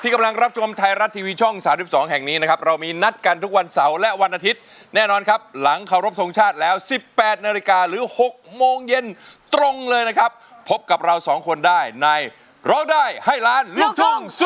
กลับกับเราสองคนได้ในร้องได้ให้ล้านลูกทุ่งสู้ชีวิต